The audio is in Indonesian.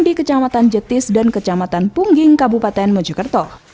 di kecamatan jetis dan kecamatan pungging kabupaten mojokerto